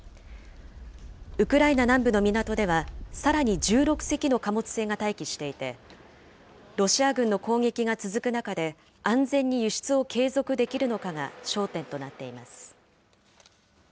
ウクライナ南部の港では、さらに１６隻の貨物船が待機していて、ロシア軍の攻撃が続く中で、安全に輸出を継続できるのかが焦点となっています。